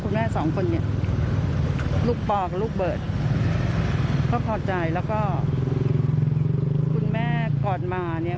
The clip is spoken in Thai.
คุณแม่๒คนลูกปลอกลูกเบิร์ตก็พอใจแล้วก็คุณแม่ก่อนมาเนี่ย